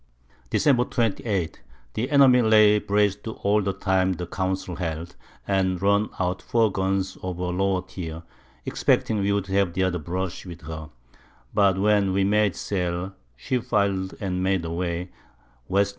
Dec. 28. The Enemy lay braced to all the time the Council held, and run out 4 Guns of her lower Teer, expecting we would have the other Brush with her; but when we made sail, she fil'd and made away, W.N.